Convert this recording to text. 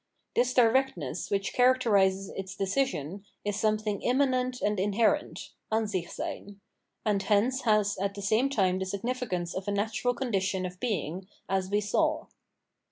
This directness which characterises its decision is something immanent and inherent (Ansichseyn)^ and hence has at the same time the significance, of a natural condition of being, as we saw.